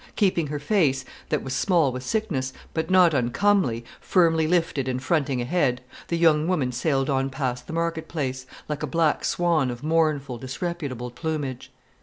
Keeping her face, that was small with sickness, but not uncomely, firmly lifted and fronting ahead, the young woman sailed on past the market place, like a black swan of mournful, disreputable plumage.